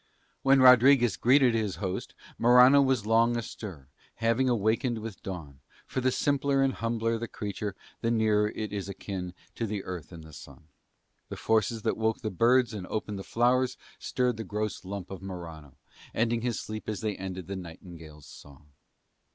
When Rodriguez greeted his host Morano was long astir, having awakened with dawn, for the simpler and humbler the creature the nearer it is akin to the earth and the sun. The forces that woke the birds and opened the flowers stirred the gross lump of Morano, ending his sleep as they ended the nightingale's song.